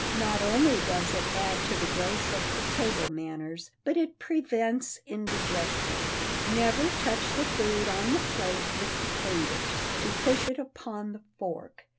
Not only does it add to the grace of the table manners, but it prevents indigestion. Never touch the food on the plate with the fingers, to push it upon the fork.